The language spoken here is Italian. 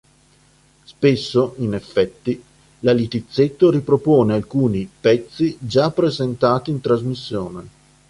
Spesso, in effetti, la Littizzetto ripropone alcuni "pezzi" già presentati in trasmissione.